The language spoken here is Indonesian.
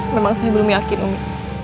memang saya belum yakin omni